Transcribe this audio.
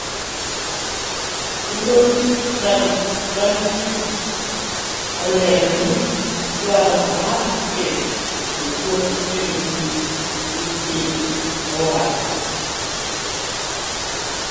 Migosi Fikirini olero ni duaro mar keto jopuonj e ogirimiti gi piny owacho.